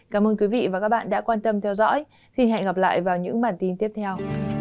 cảm ơn quý vị và các bạn đã quan tâm theo dõi xin hẹn gặp lại vào những bản tin tiếp theo